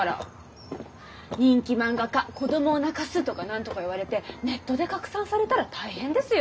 「人気漫画家子供を泣かす！」とか何とか言われてネットで拡散されたら大変ですよ。